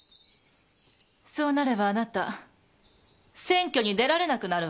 そうなればあなた選挙に出られなくなるわよ。